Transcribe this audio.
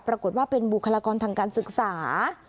ปรากฏว่าเป็นบุคลากรทางการศึกษา